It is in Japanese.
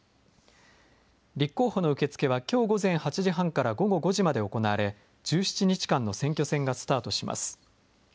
立候補の受け付けはきょう午前８時半から午後５時まで行われ、１７日間の選挙戦がスタートします。